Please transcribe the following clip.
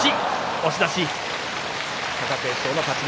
押し出し貴景勝の勝ち。